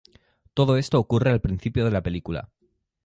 Todo esto ocurre al principio de la película.